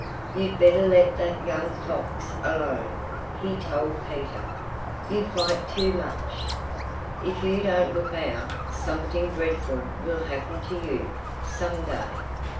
"You'd better let that young fox alone!" he told Peter. "You fight too much. If you don't look out, something dreadful will happen to you, some day.